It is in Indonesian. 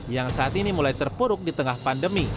yang saat ini mulai terpuruk di tengah pandemi